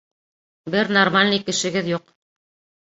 Бер нормальный кешегеҙ юҡ!